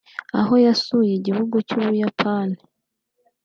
aho yasuye igihugu cy’u Buyapani